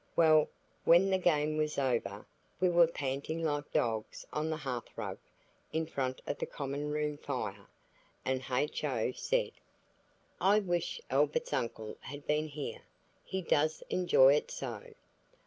Well, when the game was over we were panting like dogs on the hearthrug in front of the common room fire, and H.O. said– "I wish Albert's uncle had been here; he does enjoy it so."